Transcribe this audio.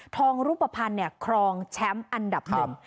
ทองรูปภัณฑ์ครองแชมป์อันดับหนึ่ง